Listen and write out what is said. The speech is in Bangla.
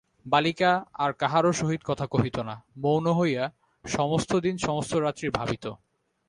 বালিকা আর কাহারও সহিত কথা কহিত না, মৌন হইয়া সমস্তদিন সমস্তরাত্রি ভাবিত।